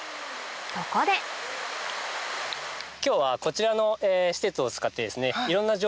そこで今日はこちらの施設を使って。